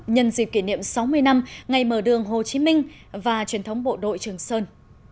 nhân dịp kỷ niệm sáu mươi năm ngày mở đường hồ chí minh và truyền thống bộ đội trường sơn